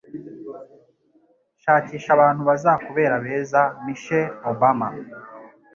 Shakisha abantu bazakubera beza.” - Michelle Obama